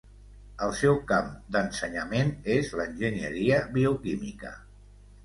El seu camp d’ensenyament és l’Enginyeria Bioquímica.